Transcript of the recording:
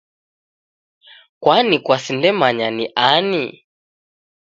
Kwani kwasindemanya ni ani?